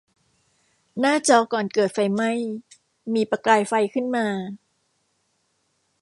หน้าจอก่อนเกิดไฟไหม้มีประกายไฟขึ้นมา